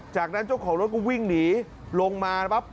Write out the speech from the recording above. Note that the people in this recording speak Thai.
จากนั้นเจ้าของรถก็วิ่งหนีลงมาปั๊บ